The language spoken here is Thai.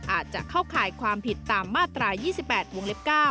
อาจจะเข้าข่ายความผิดตามมาตรา๒๘วงเล็บ๙